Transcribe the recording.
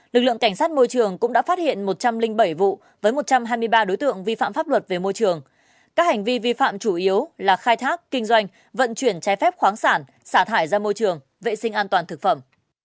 lực lượng cảnh sát môi trường cũng đã phát hiện một trăm linh bảy vụ với một trăm hai mươi ba đối tượng vi phạm pháp luật về môi trường các hành vi vi phạm chủ yếu là khai thác kinh doanh vận chuyển trái phép khoáng sản xả thải ra môi trường vệ sinh an toàn thực phẩm